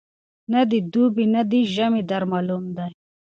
نه دي دوبی نه دي ژمی در معلوم دی